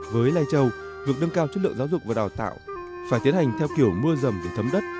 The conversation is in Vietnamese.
với lai châu việc nâng cao chất lượng giáo dục và đào tạo phải tiến hành theo kiểu mưa rầm để thấm đất